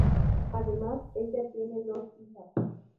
Además, ella tiene dos hijas.